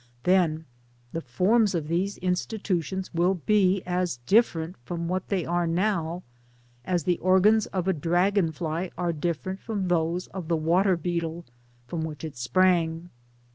then the forms of these institutions will be as different from what they are now as the organs of a Dragonfly are different from those of the Water beetle from which it sprang.